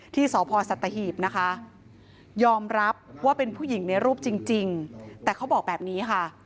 ที่สพสัตหีบนะคะยอมรับว่าเป็นผู้หญิงในรูปจริงแต่เขาบอกแบบนี้ค่ะ